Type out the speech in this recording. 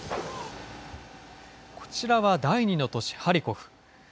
こちらは第２の都市、ハリコフ。